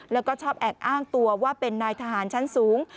แล้วก็ชอบแอบอ้างตัวว่าเป็นนายทหารชั้นสูง